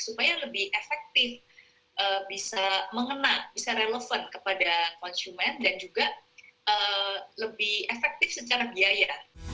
supaya lebih efektif bisa mengena bisa relevan kepada konsumen dan juga lebih efektif secara biaya